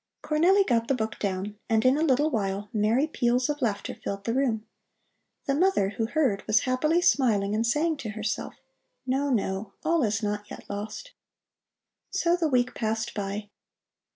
Cornelli got the book down, and in a little while merry peals of laughter filled the room. The mother, who heard, was happily smiling and saying to herself: "No, no, all is not yet lost." So the week passed by.